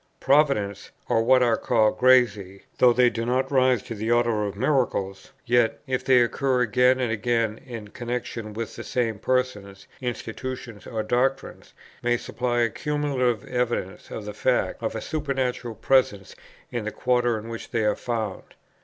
Providences, or what are called grazie, though they do not rise to the order of miracles, yet, if they occur again and again in connexion with the same persons, institutions, or doctrines, may supply a cumulative evidence of the fact of a supernatural presence in the quarter in which they are found.